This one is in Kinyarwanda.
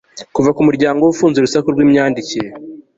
Kuva kumuryango we ufunze urusaku rwimyandikire